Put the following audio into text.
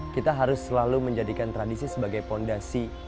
kita harus selalu menjadikan tradisi sebagai fondasi